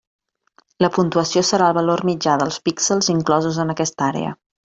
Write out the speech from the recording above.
La puntuació serà el valor mitjà dels píxels inclosos en aquesta àrea.